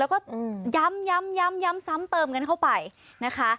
แล้วก็ย้ำย้ำซ้ำเติมกันเข้าไปนะคะ